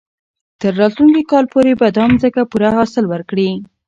تر راتلونکي کال پورې به دا ځمکه پوره حاصل ورکړي.